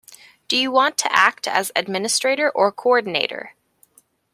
Do you want to act as administrator or coordinator?